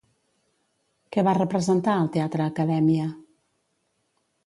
Què va representar al Teatre Akadèmia?